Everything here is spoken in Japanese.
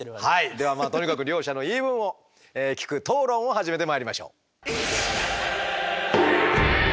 ではとにかく両者の言い分を聞く討論を始めてまいりましょう。